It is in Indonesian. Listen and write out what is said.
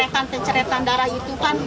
oh penceretan darah itu kan